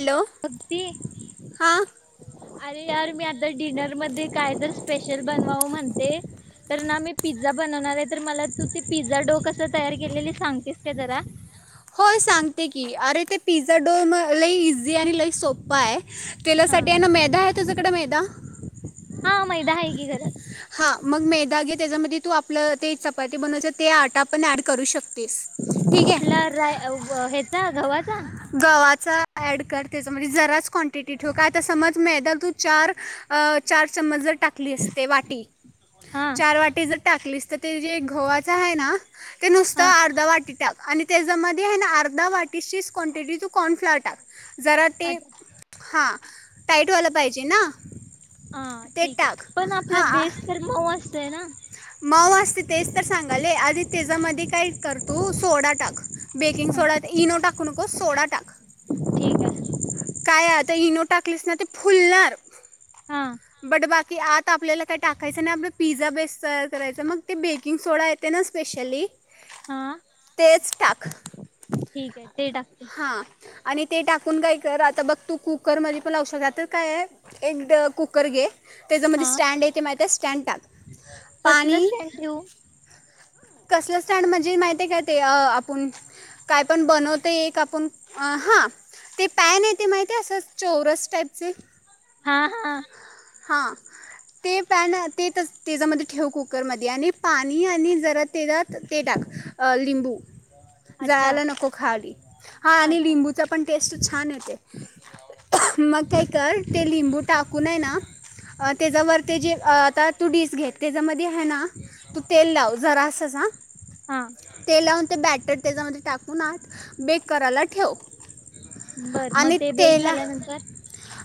Hello अगदी हां अरे यार मी आता डिनर मध्ये कायतर स्पेशल बनवाव म्हणते तर ना मी पिझ्झा बनवनारे तर मला तू ते पिझ्झा डो कसं तयार केलेली सांगतेस का जरा होय सांगते की अरे ते पिझ्झा डो लई इझी आणि लई सोप्पा आहे तेला हा साठी ना मैदा आहे तुझ्याकड मैदा हा मैदा आहे की घरात हा मग मेदा घे त्याच्यामध्ये तू आपलं ते चपाती बनवायच ते आटा आपण ऍड करू शकतो कुठला राय हेचा गव्हाचा आड कर त्याचा म्हणजे जराच क्वांटिटी ठेव का आता समज मैदा तू चार अ चार चमच जर टाकलीस ते वाटी हा चार वाटी जर टाकलीस तर ते जे घवाच आहे ना ते नुसतं हा अर्धा वाटी टाक आणि त्याच्यामध्ये हे ना अर्धा वाटीचीच क्वानटिटी तू कॉर्न फ्लावर टाक जरा ते अच्छा हां टाईट वाला पाहिजे ना हा ते ठीक टाक आहे पण आपला हां बेस तर मऊ असतोय ना मऊ असते तेच तर सांगायले आधी तेजामध्ये काय कर तू सोडा टाक बेकिंग हा सोडा इनो टाकू नकोस सोडा टाक. ठीक आहे काय आत ते इनो टाकलीस ना ते फुलणार. हा बडबा ती आत आपल्याला काही टाकायचं नाही आपला पिझ्झा बेस तयार करायचा. मग ते बेकिंग सोडा येतंय ना स्पेशली हा तेच टाक ठीक आहे ते टाकते हा. आणि ते टाकून काय कर आता बघ तू कुकरमध्ये पण लावू शकते. आता काय आहे, एक कुकर घे. त्याच्यामध्ये हा स्टँड आहेे का माहि त्या स्टँड टाक. कसलं स्टँड ठेऊ? कसलं स्टँड म्हणजे माहिती आहे का ते अ आपण काय पण बनवतोय एक आपण. हा ते पॅन आहे ते माहित आहे असं चौरस टाईपचे. हा हा. हा ते पॅन ते तसं त्याच्यामध्ये ठेव कुकरमध्ये आणि पाणी आणि जरा तेच्यात ते टाक अह लिंबू. अच्छा जळायला नको खाली हा आणि अच्छा लिंबूचा पण टेस्ट छान ये ते मग काय कर ते लिंबू टाकून है ना अह त्याचावर ते जे अह आता तू डिश घे, त्याच्यामध्ये हैं ना तू तेल लाव जरासच हा. हा तेल लावून ते बॅटर त्याच्यामध्ये टाकून आत बेक करायला ठेव. बर मग ते बेक झाल्यानंतर?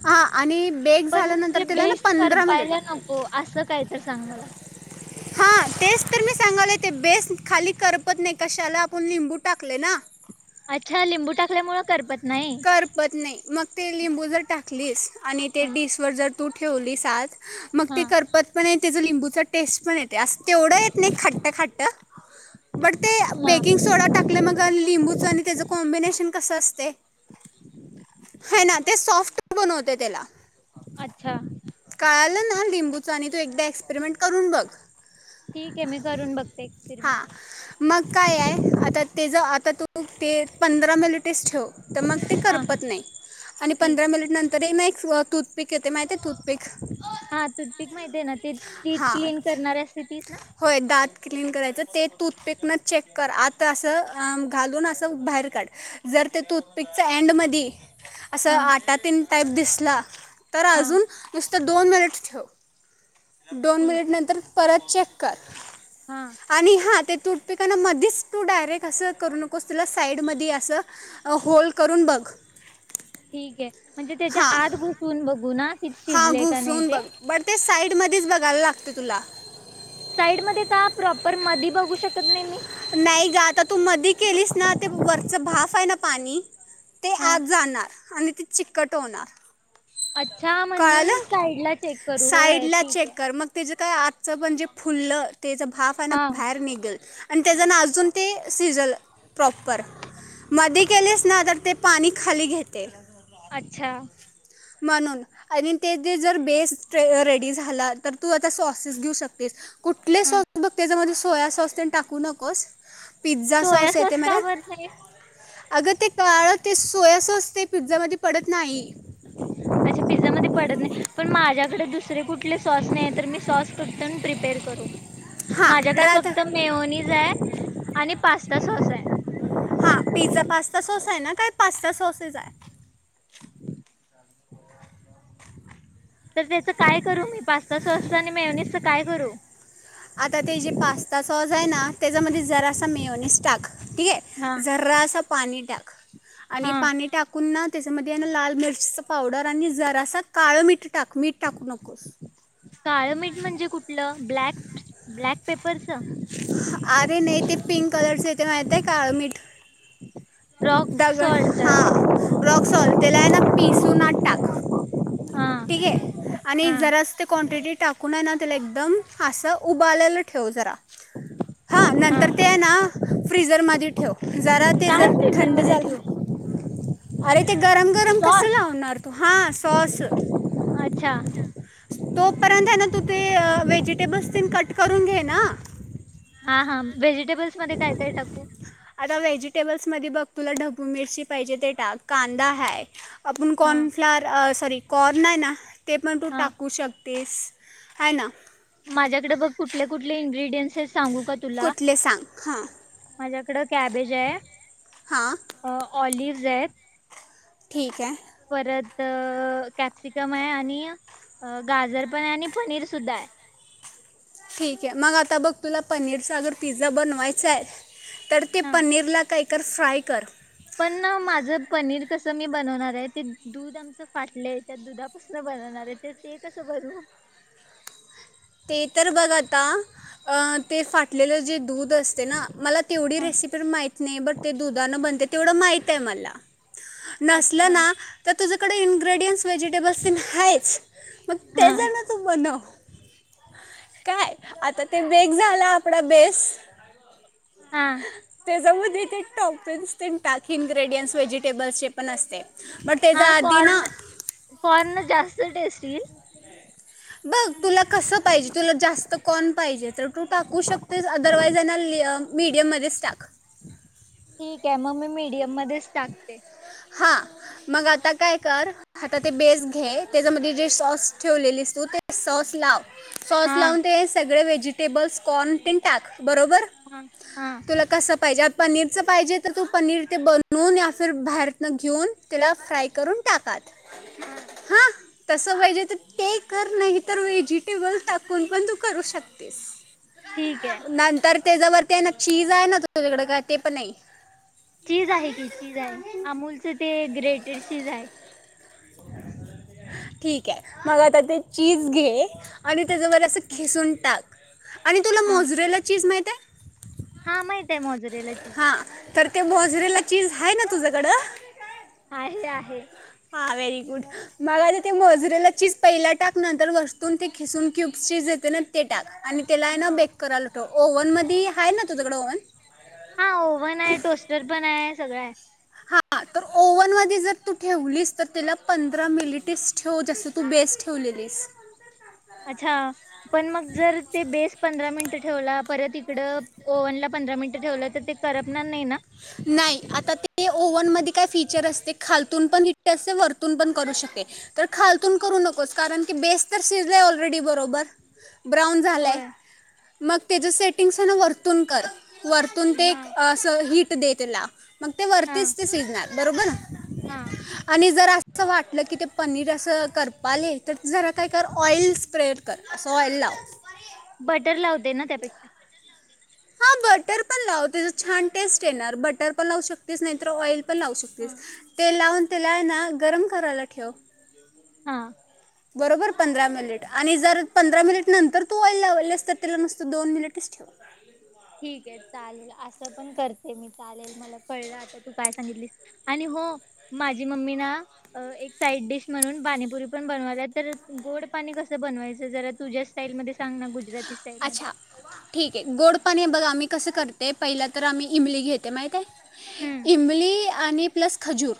हा आणि बेक पण झाल्यानंतर ते तेला ना बेस पंधरा मिनिट करपायला नको असं काय तर सांग मला. हां तेच तर मी सांगायलोय. ते बेस खाली करपत नाही, कशाला? आपण लिंबू टाकलंय ना. अच्छा लिंबू टाकल्यामुळं करपत नाही. करपत नाही. मग ते लिंबू जर टाकलीस आणि ते हा डिशवर जर तू ठेवलीस आत मग हा ते करपत पण नाही त्याचा लिंबूचा टेस्ट पण येतं. ते अस तेवढं येत नाही खट्ट खट्ट. बट ते हा बेकिंग सोडा टाकले मग आणि लिंबूचं आणि त्याचं कॉम्बिनेशन कसं असतंय. हो ना ते सॉफ्ट बनवते त्याला अच्छा कळालं ना लिंबूच तू एकदा एक्सपेरिमेंट करून बघ. ठीक आहे मी करून बघते एक्सपेरिमेंट हा मग काय आहे आता ते जर आता तू ते पंधरा मिनटेच ठेव. तर मग ते हा करपत नाही आणि ठीक पंधरा आहे. मिनिट नंतर हे ना एक हा टूथपिक येते माहिती आहे टूथपिक हा टूथपिक माहितीये ना ते टीथ हां क्लीन करणारी असते तीच ना होय दात क्लीन करायचं ते टूथपिकनं चेक कर आत असं अह घालून असं बाहेर काढ जर ते टूथ पिकच्या एंडमध्ये असं हा आटा तेन टाईप दिसला तर हा अजून नुस तर दोन मिनट ठेव दोन ठीक मिनिट आहे नंतर परत चेक का? हा आणि हा ते. टूथपिकानं मधीच तू डायरेक्ट असं करू नकोस तुला साईडमध्ये असं अ होल पण बघ ठीक म्हणजे त्याच्या आत घुसून बघू ना कि हा शिजले का नाही घुसून ते बघ बर ते साईड मध्येच बघायला. लागतय तुला. साईड मध्ये का प्रॉपर मध्ये बघू शकत नाही मी? नाही ग आता तू मधी केलीस ना ते त्या भाफ आहे ना पाणी ते हा आज जाणार आणि ती चिक्कट होणार अच्छा म्हणून कळालं साईड ला चेक करू होय ठीक आहे. का आजचं पणजे फुललं त्याचा भाफना हा बाहेर निघल. आणि त्याच्यान अजून ते सिझल प्रॉपर मधी केलेस ना तर ते पाणी खाली घेतय. अच्छा. म्हणून. आणि ते जर बेस रेडी झाला तर तू आता सॉसेस घेऊ शकतेस. कुठले स हा त्याच्यामध्ये सोया सॉस ते टाकू नकोस. पिझ्झा सोया सॉस का भरतेय. आगत काळ ते सोया सॉस. ते पिझ्झा मध्ये पडत नाही अच्छा पिझ्झा मध्ये पडत पण माझ्याकडे दुसरे कुठले सॉस नाही तर मी सॉस कुठून प्रिपेअर करू? हां तर माझ्याकडे आता फक्त मेओनीज आहे आणि पास्ता सॉस आहे. हा पिझ्झा पास्ता सॉस आहे ना काय पास्ता सॉसेस आहे. ह. तर त्याचं काय करू मी पास्ता सॉस आणि मेओनीज च काय करू आता ते जे मिओनिज टाक. ठीक हा आहे जरासं पाणी टाक. आणि हा पाणी टाकून ना त्याचामध्ये या लाल मिरचीचा पावडर आणि जरासा काळ मिठ काळं मीठ म्हणजे कुठलं ब्लॅक ब्लॅक पेप अरे नाही ते पिंक कलरचे ये ते मा ते काळमीठ रॉक दगड सॉल्ट हा रॉकसॉल तेला हाय ना पिसू आत टाक हा ठीके आणि हा जरास ते क्वांटिटी टाक पुन्हा ना त्याला एकदम असं उभारलेलं ठेव जरा हा नंतर ते हाय ना फ्रीझरमध्ये ठेव जरा ते काय जर फ्रीझर थंड मध्ये झालं ठेवू? अरे ते गरम गरम कस सॉस लावणार तू हां सॉस अच्छा तोपर्यंत हाय ना तू ते व्हेजिटेबल्स तेन कट करून घे ना ह हां व्हेजिटेबल्स मध्ये काय काय टाकू मधी बघ तुला ढबू मिरची पाहिजे ते टाक कांदा हाय आपण हा कॉर्नफ्लाअर अ सॉरी कॉर्न नाय ना ते पण तू हा टाकू शक तेस हाय ना माझ्याकड बघ कुठले कुठले इनग्रेडियंट्स आहेस कुठले सांग हां माझ्याकडं कॅबेज ये, हां ऑलिव्ह्ज हेत. ठीक ये. परत कॅप्सिकम आहे आणि गाजर पण आहे आणि पनीर सुद्धा आहे. ठीक ये मग आता बघ तुला पनीर चा अगर पिझ्झा बनवायचाय. तर ते हा पनीरला काय कर फ्राय कर पण ना माझं पनीर कसं मी बनवणार आहे, ते दूध आमचं फाटलंय त्या दुधापासन बनवणारये तर ते कसं बनवु? ते तर बघ आता अ ते फाटलेलं जे दूध असते ना मला तेवढी हा रेसिपी माहित नाही बट ते दुधान बनते तेवढं माहित आहे मला अच्छा नसलं ना तर तुझ्य कडे इनग्रेडियंट् व्हेजिटेबल्स तेन आहेच. मग हा ते जाण तू बनव. काय आता ते बेक झाला आपला बेस हा त्याच्यामध्ये ते टॉफिन्स तेन टाक इनग्रेडियंट्स व्हेजिटेबल्सचे पण असते बट हा त्याच्या आधी ना कॉर्न कॉर्न जास्त टेस्ट... तील बग तुला कसं पाहिजे तुला जास्त कॉर्न पाहिजे तर तू टाकू शकतेस अदरवाईज ना मिडियममध्येच टाक. ठीक आहे मग मी मीडियम मध्येच टाकते. हा मग आता काय कर आता ते बेस घे त्याच्यामध्ये जे सॉस ठेवलेलीस तू ते सॉस लाव सॉस हा लावून ते सगळे वे.. व्हेजिटेबल्स, कॉर्न तेन टाक. बरोबर हा हा तुला कसं.. पाहिजे पनीरचं पाहिजे तर तू पनीर ते बनवून या फिर बाहेर.. न घेऊन त्याला फ्राय करून टाक आत. हम् तसं पाहिजे तर ते कर नाही तर व्हेजिटेबल टाकून पण तू करू शकतेस. ठीक आहे नंतर त्याच्यावरती आहे ना, चीज आहे ना तुझ्याकडे? काय ते पण नाही चीज आहे की चीज आहे अमुलच.. ते ग्रेटेड चीज आहे. ठीक आहे मग आता ते चीज घे आणि त्याच्यावर असं खिसून टाक आणि तुला मोजरेला चीज माहिती.. [unintelligible] लाची हां तर ते मोजरेला चीज आहे ना तुझ्याकडं. आहे आहे. हा व्हेरी गुड मग आता ते मोजरेला चीज पहिला टाक नंतर वरून ते खिसून क्युब्स चेज येते ना ते टाक. आणि त्याला आहे ना हा बेक कराय लाव. ओव्हन मध्ये आहे ना तुझकडें ओव्हन! हा ओव्हन आहे टोस्टर पण आहे. सगळं आहे. हा तर ओव्हन मध्ये जर तू ठेवलीस तर त्याला पंधरा मिनिटेच ठेव जस तू बेस ठेवलेलीस. अच्छा पण मग जर ते बेस पंधरा मिनिट ठेवला परत इ इकड ओव्हन ला पंधरा मिनटं ठेवलं तर ते करपणार नाही ना नाही आता ते ओव्हन मध्ये काय फीचर अस ते खालतून पण हिट असते वरतून पण करू शके तर खालतून करू नको कारण की बेस तर शिजले ऑलरेडी बरोबर ब्राऊन झालाय... होय मग त्याचे सेटिंग आहे वरतून कर वरतून ते हा असं हिट दे त्याला... मग ते हा वरतीच ते शिजणार... बरोबर... हा आणि जरा असं वाटलं की ते पनीर असं करपायलय तर जरा काय कर ऑइल स्प्रे कर अस ऑइल लाव. बटर लावते ना त्यापेक्षा. हा बटर पण लाव त्याचा छान टेस्ट येणार बटर पण लावू शकतेच नाही तर ऑइल पण लावू शकतेस तेल लावून तेला ना गरम करायला ठेव. हा. बरोबर पंधरा मिनिट आणि जर पंधरा मिनिट नंतर तू ऑइल लावली असत तला नसतं दोन मिनिटच ठेवा ठीक आहे चालेल असं पण करते मी चालेल मला कळलं आता तू काय सांगितलीस आणि हो माझी मम्मी ना एक साईड डिश म्हणून पाणीपुरी पण बनवाला तर गोड पाणी कस बनवायचं जरा तुझ्या स्टाईल मध्ये सांग ना गुजरात - - अच्छा ठीक आहे गोड पाणी बगा - - मी कस करते पहिला तर आम्ही इमली घेते हम्म माहितिय इमली आणि प्लस खजूर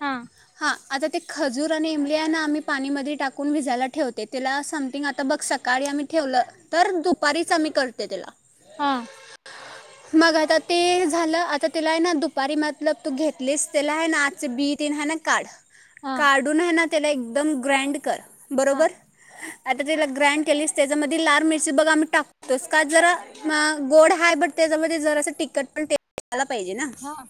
हा हा आता ते खजूर आणि इमलि आहे ना आम्ही पाणीमध्ये टाकून भजायला ठेवते त्याला समथिंग आता बघ सकाळी आम्ही ठेवलं तर दुपारीच आम्ही करते. त्याला. हा. मग आता ते झालं आता तिला आहे ना दुपारी मतलब तू घेतलीस त्याला आहे ना आतल बी तेन हाय ना आणि काढ.. हां काढून आहे ना.. त्याला एकदम ग्रँड कर... हां बरोबर आता त्याला ग्रँड केलीस त्याच्यामध्ये लाल मिरची बघ आम्ही टाकतोस का जरा गोड ह बट त्याच्यामध्ये जरा असं तिकखट पण झाला पाहिजे ना. हां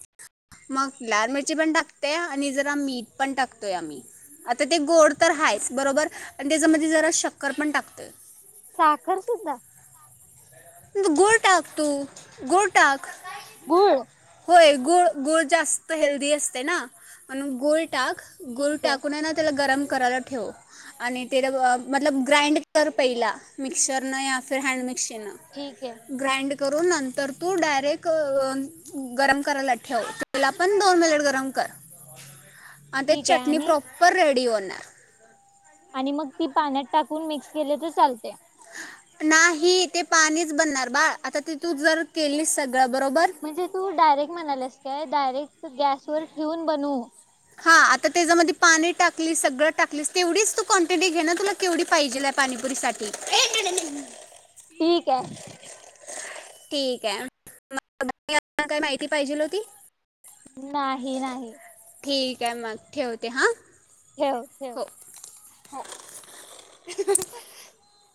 मग लाल मिरची पण टाकते आणि जरी मीठ पण टाकतोय आम्ही आता ते गोड तर हायच बरोबर आणि तेझ्यामध्ये जरा शक्कर पण टाकतोय. साखर सुद्धा.... गुळ टाक तु गुळ टाक.. गुळ... होय गुळ गुळ जास्त हेल्दी असतय ना म्हणून गुळ टाक गुळ ठीक आहे टाकून हाय ना त्याला गरम.. करायला ठेव आणि तेला मतलब ग्राइंड कर पहिला मिक्चरनं या फिर हँड मिक्चर.... ठीके... नंतर तू डायरेक् गरम करायला ठेव तेला पण दो मिनिट गरम कर आता ते ठीक आहे चटणी आणि प्रॉपर रेडी होन [unintelligible] [inaudible] आणि मग ती पाण्यात टाकून मिक्स केली तर चालते नाही ते पाणीच बनणार बाळ आता ते तू जर केली सध्या म्हणजे तू डायरेक्ट म्हणाल्यास काय डायरेक्ट गॅस वर ठेवून बनू हा आता त्याच्यामध्ये पाणी टाकलीस सगळं टाकलीस तेवढीच तू क्वांटिटी घे ना तुला केवढी पाहिजे पाणीपुरी साठी ठीक आहे ठीके काय माहिती पाहिजेल होती नाही नाही ठीक आहे मग ठेवते हां ठेव ठेव हो